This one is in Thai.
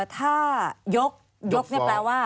ถ้ายกนี่แปลว่า